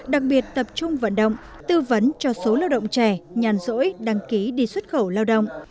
đặc biệt tập trung vận động tư vấn cho số lao động trẻ nhàn rỗi đăng ký đi xuất khẩu lao động